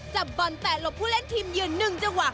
จับบอลแต่หลบผู้เล่นทีมยืน๑จังหวะ